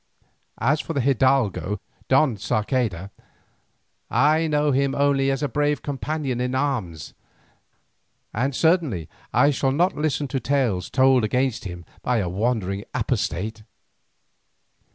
As for the hidalgo Don Sarceda, I know him only as a brave companion in arms, and certainly I shall not listen to tales told against him by a wandering apostate.